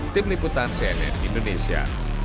tim liputan cnn indonesia